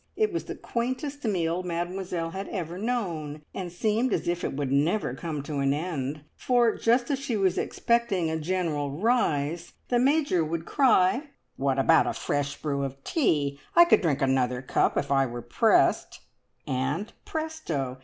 It was the quaintest meal Mademoiselle had ever known, and seemed as if it would never come to an end, for just as she was expecting a general rise the Major would cry, "What about a fresh brew of tea? I could drink another cup if I were pressed," and presto!